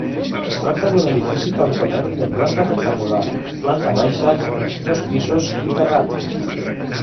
Es tracta d'un edifici cantoner de planta rectangular, planta baixa, dos pisos i terrat.